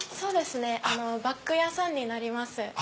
バッグ屋さんになります。